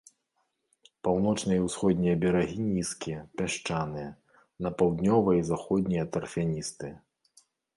Паўночныя і ўсходнія берагі нізкія, пясчаныя, на паўднёвыя і заходнія тарфяністыя.